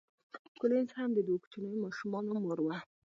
کولینز هم د دوو کوچنیو ماشومانو مور وه.